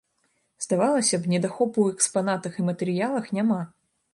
Здавалася б, недахопу ў экспанатах і матэрыялах няма.